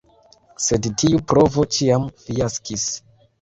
Sed tiu provo ĉiam fiaskis.